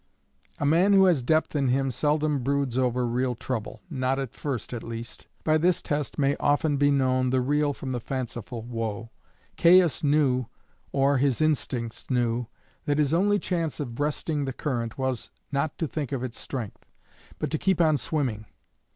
A man who has depth in him seldom broods over real trouble not at first, at least. By this test may often be known the real from the fanciful woe. Caius, knew, or his instincts knew, that his only chance of breasting the current was, not to think of its strength, but to keep on swimming.